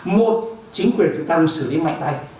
một chính quyền tự tăng xử lý mạnh tay